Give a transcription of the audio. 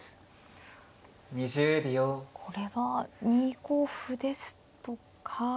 これは２五歩ですとか。